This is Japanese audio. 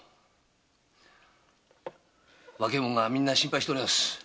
若い者が皆心配しております。